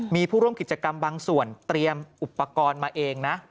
มีผู้ร่วมกิจกรรมบางส่วนเตรียมอุปกรณ์มาเองนะ